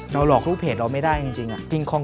หลอกลูกเพจเราไม่ได้จริง